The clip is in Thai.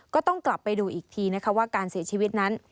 ก็ต้องกลับไปดูอีกทีนะคะว่าการเสียชีวิตนั้น